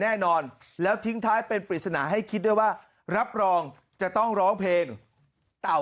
แน่นอนแล้วทิ้งท้ายเป็นปริศนาให้คิดด้วยว่ารับรองจะต้องร้องเพลงเต่า